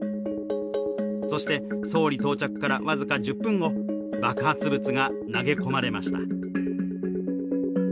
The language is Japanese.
そして、総理到着から僅か１０分後爆発物が投げ込まれました。